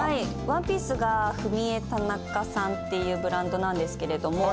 ワンピースがフミエタナカさんっていうブランドなんですけれども。